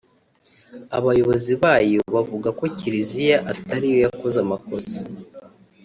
abayobozi bayo bavuga ko Kiliziya atari yo yakoze amakosa